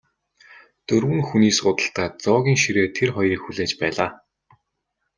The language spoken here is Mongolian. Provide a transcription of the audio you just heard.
Дөрвөн хүний суудалтай зоогийн ширээ тэр хоёрыг хүлээж байлаа.